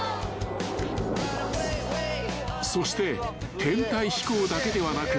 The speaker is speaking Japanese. ［そして編隊飛行だけではなく］